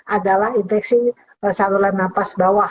adalah infeksi saluran nafas bawah